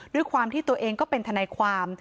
ด้วยความที่ตัวเองก็เป็นทนายความ